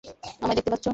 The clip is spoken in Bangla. আমায় দেখতে পাচ্ছ?